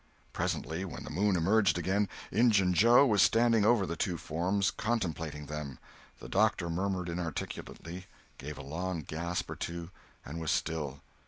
Presently, when the moon emerged again, Injun Joe was standing over the two forms, contemplating them. The doctor murmured inarticulately, gave a long gasp or two and was still.